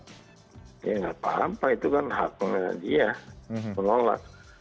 ya nggak apa apa itu kan haknya dia penolak